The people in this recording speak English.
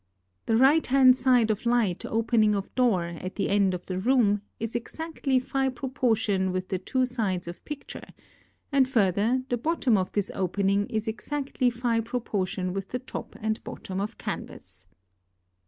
The right hand side of light opening of door at the end of the room is exactly Phi proportion with the two sides of picture; and further, the bottom of this opening is exactly Phi proportion with the top and bottom of canvas.